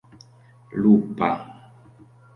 lupa